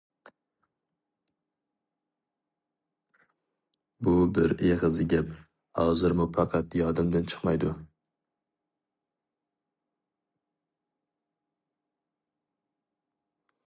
بۇ بىر ئېغىز گەپ ھازىرمۇ پەقەت يادىمدىن چىقمايدۇ.